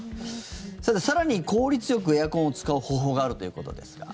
更に効率よくエアコンを使う方法があるということですが。